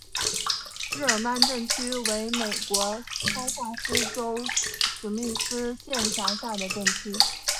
日耳曼镇区为美国堪萨斯州史密斯县辖下的镇区。